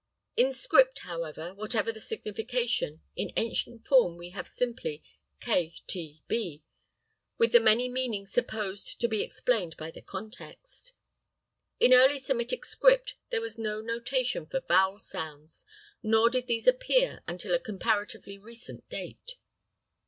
In script, however, whatever the signification, in ancient form we have simply k t b with the many meanings supposed to be explained by the context. In early Semitic script there was no notation for vowel sounds, nor did these appear until a comparatively recent date.